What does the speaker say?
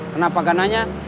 kenapa gak nanya